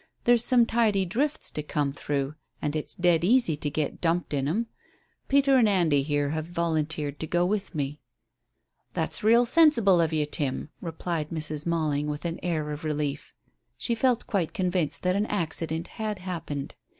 There's some tidy drifts to come through, and it's dead easy to get dumped in 'em. Peter and Andy here have volunteered to go with me." "That's real sensible of you, Tim," replied Mrs. Malling, with an air of relief. She felt quite convinced that an accident had happened.